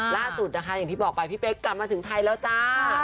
ล่าสุดนะคะอย่างที่บอกไปพี่เป๊กกลับมาถึงไทยแล้วจ้า